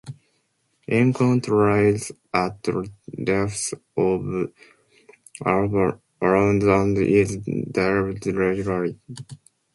"Encounter" lies at a depth of around and is dived regularly.